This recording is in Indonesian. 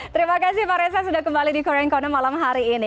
terima kasih pak reza sudah kembali di korean corner malam hari ini